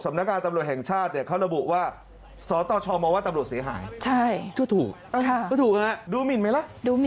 สำนักการณ์ตำรวจแห่งชาติเขาระบุว่าสตชมว่าตำรวจเสียหายใช่ก็ถูกดูมินไหมละ